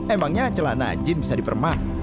emangnya celana anjin bisa dipermak